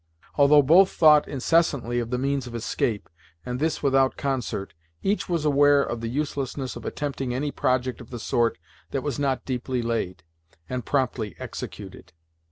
Although both thought incessantly of the means of escape, and this without concert, each was aware of the uselessness of attempting any project of the sort that was not deeply laid, and promptly executed.